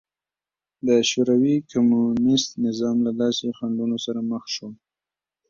د شوروي کمونېست نظام له داسې خنډونو سره مخ شو